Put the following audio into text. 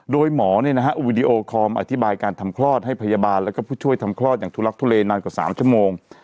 โดยหมอวีดีโอคอลอธิบายการทำคลอดให้พยาบาลแล้วก็ผู้ช่วยทำคลอดอย่างทุลักทุเลนานกว่า๓ชั่วโมง